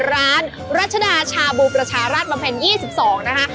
รัชดาชาบูประชาราชบำเพ็ญ๒๒นะคะ